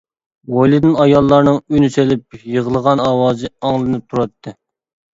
ھويلىدىن ئاياللارنىڭ ئۈن سېلىپ يىغلىغان ئاۋازى ئاڭلىنىپ تۇراتتى.